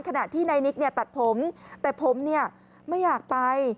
ขณะที่นายนิกตัดผมแต่ผมไม่อยากไป